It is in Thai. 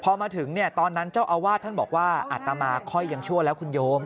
พอมาถึงตอนนั้นเจ้าอาวาสท่านบอกว่าอัตมาค่อยยังชั่วแล้วคุณโยม